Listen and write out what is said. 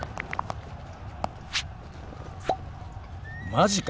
マジか！